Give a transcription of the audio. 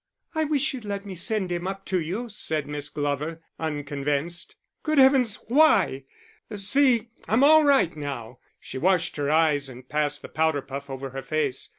"I wish you'd let me send him up to you," said Miss Glover, unconvinced. "Good heavens! Why? See, I'm all right now." She washed her eyes and passed the powder puff over her face.